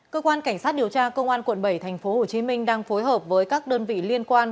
cơ quan cảnh sát điều tra công an quận bảy tp hcm đang phối hợp với các đơn vị liên quan